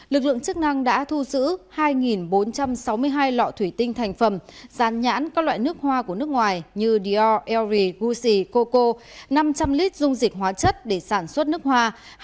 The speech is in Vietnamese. lực lượng chức năng đã thu giữ hai bốn trăm sáu mươi hai lọ thủy tinh thành phẩm sản nhãn các loại nước hoa của nước ngoài như dior elri gucci coco năm trăm linh lít dung dịch hoa chất để sản xuất nước hoa